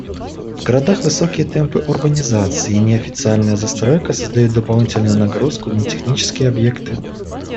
В городах высокие темпы урбанизации и неофициальная застройка создают дополнительную нагрузку на технические объекты.